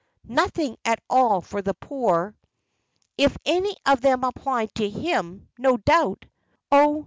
"Nothing at all for the poor." "If any of them applied to him, no doubt " "Oh!